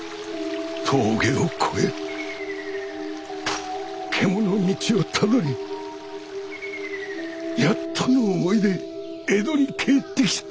峠を越え獣道をたどりやっとの思いで江戸に帰ってきた。